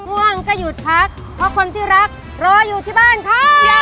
ง่วงก็หยุดพักเพราะคนที่รักรออยู่ที่บ้านค่ะ